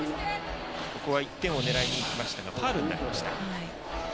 ここは１点を狙いに行きましたがファウルになりました。